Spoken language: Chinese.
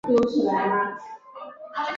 徽县吴玠墓及墓碑的历史年代为南宋。